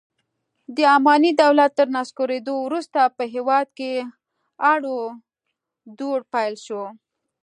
د اماني دولت تر نسکورېدو وروسته په هېواد کې اړو دوړ پیل شو.